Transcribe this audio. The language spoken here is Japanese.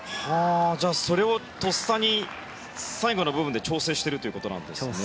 じゃあそれをとっさに最後の部分で調整しているということなんですね。